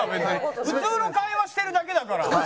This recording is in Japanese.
普通の会話してるだけだから。